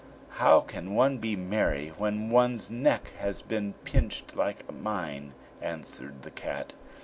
"How can one be merry when one's neck has been pinched like mine?" answered the cat.